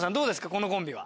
このコンビは。